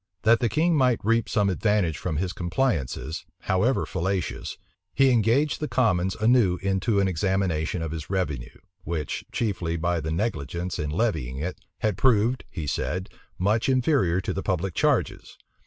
That the king might reap some advantage from his compliances, however fallacious, he engaged the commons anew into an examination of his revenue, which, chiefly by the negligence in levying it, had proved, he said, much inferior to the public charges.